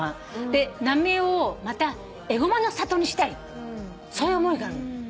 で浪江をまたエゴマの里にしたいそういう思いがあるの。